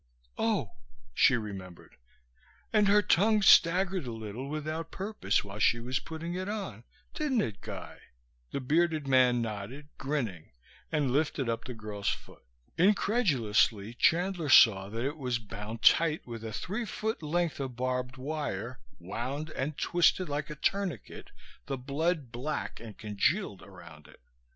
Oh," she remembered, "and her tongue staggered a little without purpose while he was putting it on, didn't it, Guy?" The bearded man nodded, grinning, and lifted up the girl's foot. Incredulously, Chandler saw that it was bound tight with a three foot length of barbed wire, wound and twisted like a tourniquet, the blood black and congealed around it.